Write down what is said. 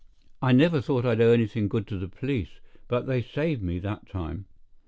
I never thought I'd owe anything good to the police; but they saved me that time.